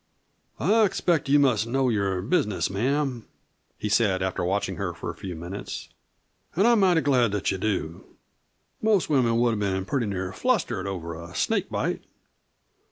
"I expect you must know your business, ma'am," he said, after watching her for a few minutes. "An' I'm mighty glad that you do. Most women would have been pretty nearly flustered over a snake bite."